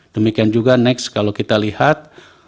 demikian juga next kalau kita lihat